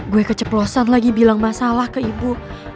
gue keceplosan lagi bilang masalah ke ibu